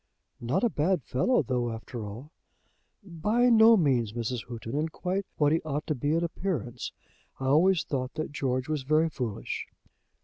"Not a bad fellow, though, after all." "By no means, Mrs. Houghton, and quite what he ought to be in appearance. I always thought that George was very foolish."